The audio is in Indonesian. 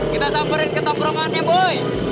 kita samperin ke top rumahannya boy